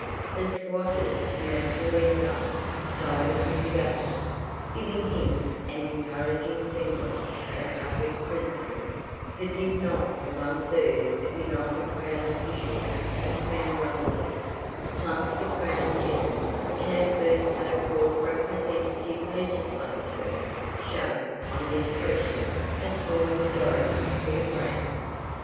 The squatters, naturally enough, sided with the Governor, giving him an encouraging semblance of public principle; for did not the one third of united Crown Officials and Crown Nominateds, plus the Crown Tenants, in our first so called representative Legislature, show, on this question, a small majority for "the Crown?"